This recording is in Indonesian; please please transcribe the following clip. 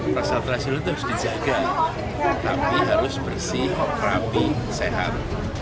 pasar tradisional itu harus dijaga tapi harus bersih rapi sehat